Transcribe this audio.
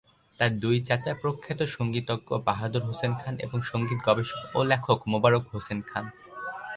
তার দুই চাচা প্রখ্যাত সঙ্গীতজ্ঞ বাহাদুর হোসেন খান এবং সঙ্গীত গবেষক ও লেখক মোবারক হোসেন খান।